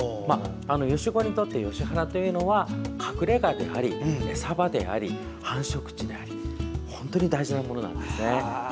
ヨシゴイにとってヨシ原というのは隠れがであり、餌場であり繁殖地であり本当に大事なものなんですね。